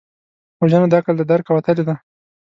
وژنه د عقل له درکه وتلې ده